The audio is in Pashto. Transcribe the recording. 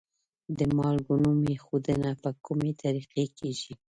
د مالګو نوم ایښودنه په کومې طریقې کیږي؟